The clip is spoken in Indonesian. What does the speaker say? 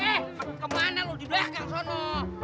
eh kemana loh di belakang sana